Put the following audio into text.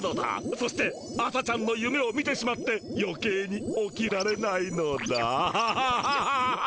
そして朝ちゃんのゆめを見てしまってよけいに起きられないのだハハハハハ。